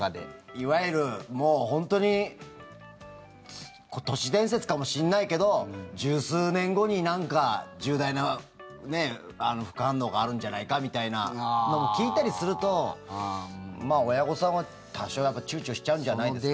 いわゆる、もう本当に都市伝説かもしんないけど１０数年後に重大な副反応があるんじゃないかみたいなのを聞いたりすると親御さんは多少躊躇しちゃうんじゃないですか。